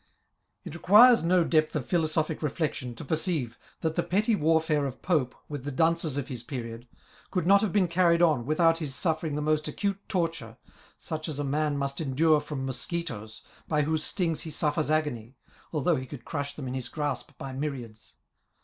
It requires no depth of philosophic reflection to perceive that the i^etty war&re of Pope with the Dunces Digitized by VjOOQ IC LAY OF THE LAST MINSTREL. 7 of his period could not have been carried on without liis suffering the most acute torture, such as a man must endure from mosquitoes, by whose stings he suffers agopy, although he could crush them in his grasp by myriads.